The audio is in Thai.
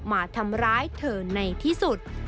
มาทำร้ายเธอในที่สุด